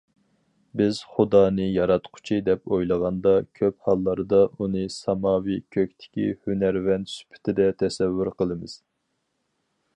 بىز خۇدانى ياراتقۇچى دەپ ئويلىغاندا، كۆپ ھاللاردا ئۇنى ساماۋى كۆكتىكى ھۈنەرۋەن سۈپىتىدە تەسەۋۋۇر قىلىمىز.